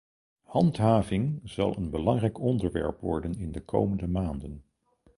Handhaving zal een belangrijk onderwerp worden in de komende maanden.